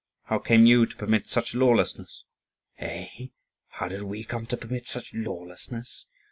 How came you to permit such lawlessness?" "Eh! how did we come to permit such lawlessness?